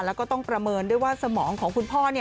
แล้วก็ต้องประเมินด้วยว่าสมองของคุณพ่อ